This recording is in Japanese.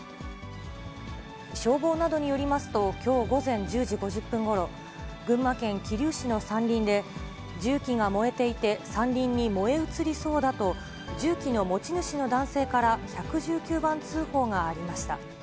消防などによりますと、きょう午前１０時５０分ごろ、群馬県桐生市の山林で、重機が燃えていて、山林に燃え移りそうだと、重機の持ち主の男性から１１９番通報がありました。